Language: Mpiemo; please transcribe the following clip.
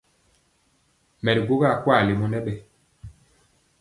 Mɛ ri gwogɔ akwaa lemɔ nɛ mbɛ.